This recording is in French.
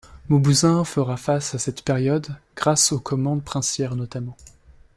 Mauboussin fera face à cette période grâce aux commandes princières notamment.